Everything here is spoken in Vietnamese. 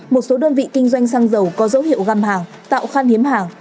một số đơn vị kinh doanh xăng dầu có dấu hiệu găm hàng tạo khan hiếm hàng